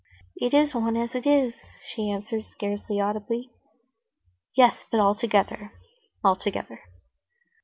"It is one as it is," she answered, scarcely audibly. "Yes, but altogether; altogether."